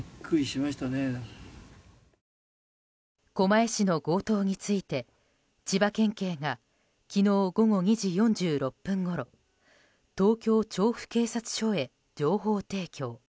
狛江市の強盗について千葉県警が昨日午後２時４６分ごろ東京・調布警察署へ情報提供。